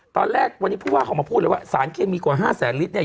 ตอนแรกวันนี้ผู้ว่าเขามาพูดเลยว่าสารเคมีกว่า๕แสนลิตรเนี่ย